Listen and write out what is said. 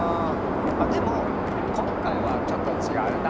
あっでもこんかいはちょっとちがうんだ。